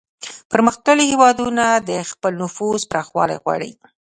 پرمختللي هیوادونه د خپل نفوذ پراخول غواړي